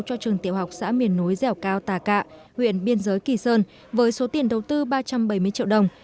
cho trường tiểu học xã miền núi dẻo cao tà cạ huyện biên giới kỳ sơn với số tiền đầu tư ba trăm bảy mươi triệu đồng